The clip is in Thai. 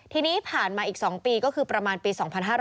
ทีนี้ผ่านมาอีก๒ปีก็คือประมาณปี๒๕๕๙